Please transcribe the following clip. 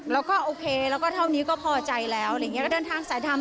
แล้วก็โอเคก็พอใจแล้วเดินทางสายธรรม